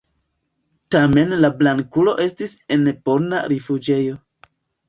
Tamen la Blankulo estis en bona rifuĝejo.